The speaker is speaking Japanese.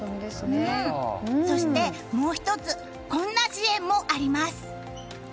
そしてもう１つこんな支援もあります。